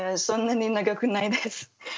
そんなに長くないです。